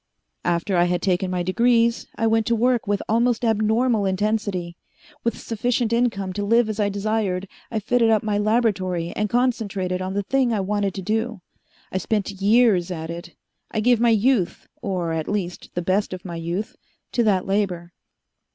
"After I had taken my degrees, I went to work with almost abnormal intensity. With sufficient income to live as I desired, I fitted up my laboratory and concentrated on the thing I wanted to do. I spent years at it. I gave my youth or, at least, the best of my youth to that labor.